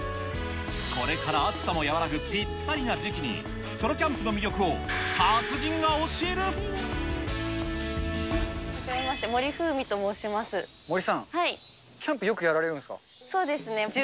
これから暑さも和らぐぴったりな時期に、ソロキャンプの魅力を達はじめまして、森さん。